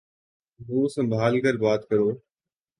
منہ سنمبھال کر بات کرو۔